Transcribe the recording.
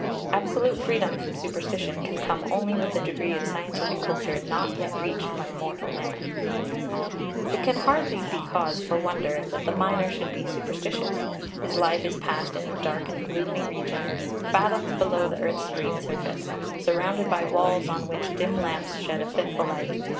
Absolute freedom from superstition can come only with a degree of scientific culture not yet reached by mortal man. It can hardly be cause for wonder that the miner should be superstitious. His life is passed in a dark and gloomy region, fathoms below the earth's green surface, surrounded by walls on which dim lamps shed a fitful light.